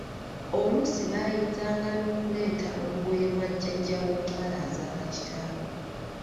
Oluusi baayinzanga n’okuleeta olugoye lwa Jjajja w’omuwala azaala kitaawe.